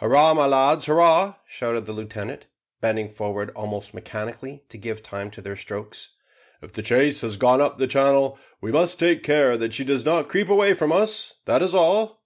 "Hurrah, my lads, hurrah!" shouted the lieutenant, bending forward almost mechanically to give time to their strokes. "If the chase has gone up the channel, we must take care that she does not creep away from us, that is all."